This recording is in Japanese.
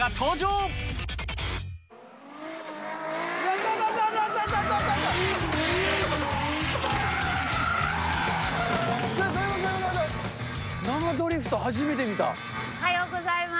おはようございます。